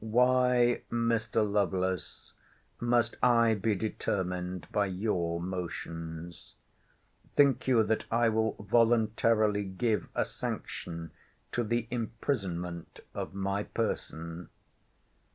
Why, Mr. Lovelace, must I be determined by your motions?—Think you that I will voluntarily give a sanction to the imprisonment of my person?